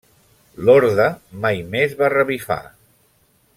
L'orde mai més va revifar.